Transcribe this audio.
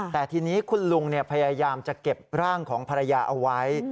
แต่ทีนี้คุณลุงพยายามจะเก็บร่างของภรรยาเอาไว้